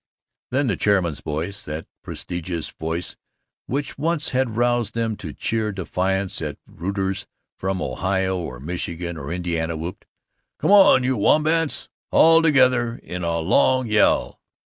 Then the chairman's voice, that prodigious voice which once had roused them to cheer defiance at rooters from Ohio or Michigan or Indiana, whooped, "Come on, you wombats! All together in the long yell!"